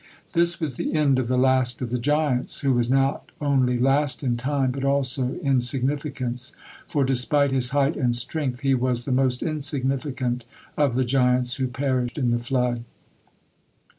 This was the end of the last of the giants, who was not only last in time, but also in significance, for despite his height and strength, he was the most insignificant of the giants who perished in the flood.